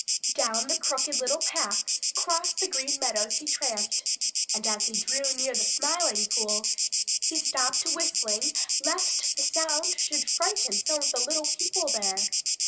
Down the Crooked Little Path cross the Green Meadows he tramped, and as he drew near the Smiling Pool, he stopped whistling lest the sound should frighten some of the little people there.